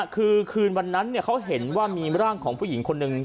คือคืนวันนั้นเขาเห็นว่ามีร่างของผู้หญิงคนหนึ่ง